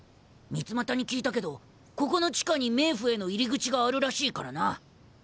ミツマタに聞いたけどここの地下に冥府への入り口があるらしいからな。